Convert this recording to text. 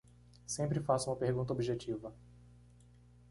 Sempre faça uma pergunta objetiva.